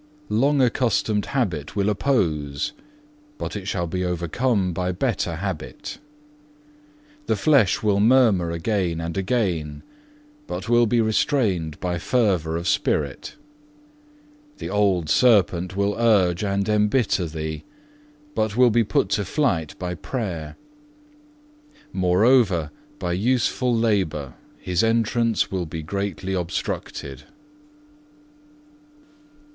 Long accustomed habit will oppose, but it shall be overcome by better habit. The flesh will murmur again and again, but will be restrained by fervour of spirit. The old serpent will urge and embitter thee, but will be put to flight by prayer; moreover, by useful labour his entrance will be greatly obstructed."